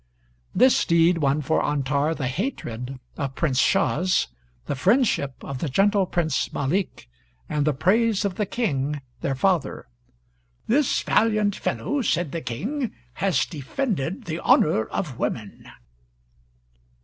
This deed won for Antar the hatred of Prince Shas, the friendship of the gentle Prince Malik, and the praise of the king, their father. "This valiant fellow," said the king, "has defended the honor of women."